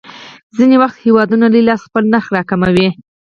ځینې وخت هېوادونه لوی لاس خپل نرخ راکموي.